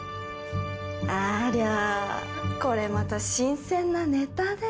あらこれまた新鮮なネタで。